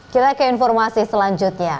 kita ke informasi selanjutnya